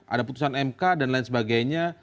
ada putusan mk dan lain sebagainya